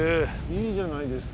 いいじゃないですか。